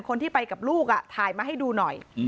คนที่ไปกับลูกถ่ายมาให้ดูหน่อย